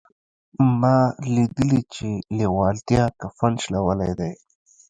ما لیدلي چې لېوالتیا کفن شلولی دی